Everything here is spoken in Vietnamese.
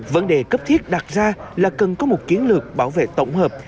vấn đề cấp thiết đặt ra là cần có một kiến lược bảo vệ tổng hợp